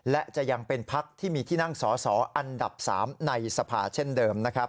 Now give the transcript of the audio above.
และจะยังเป็นพักที่มีที่นั่งสอสออันดับ๓ในสภาเช่นเดิมนะครับ